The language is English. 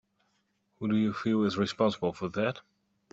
Who do you feel is responsible for that?